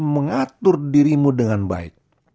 mengatur dirimu dengan baik